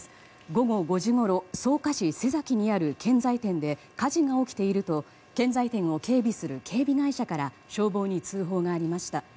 午後５時ごろ草加市瀬崎にある建材店で火事が起きていると建材店を警備する警備会社から消防に通報がありました。